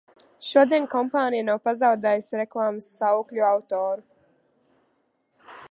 Šodien kompānija nav pazaudējusi reklāmas saukļu autoru.